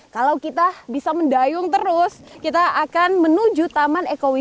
kalau kita bisa mendayung terus kita akan menuju taman ekoimunis